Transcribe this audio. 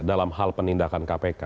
dalam hal penindakan kpk